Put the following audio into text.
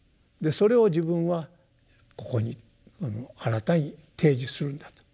それを自分はここに新たに提示するんだと。